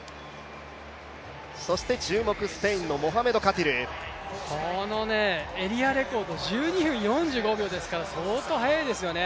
そして注目、スペインのモハメド・カティルこのエリアレコード１２分４５秒ですから相当速いですよね。